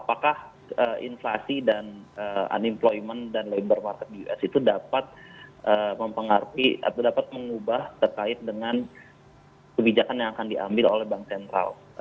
apakah inflasi dan unemployment dan labor market us itu dapat mempengaruhi atau dapat mengubah terkait dengan kebijakan yang akan diambil oleh bank sentral